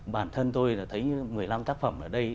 bản thân tôi là thấy một mươi năm tác phẩm ở đây